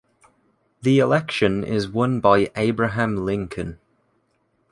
The election is won by Abraham Lincoln.